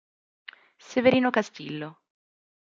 Severino Castillo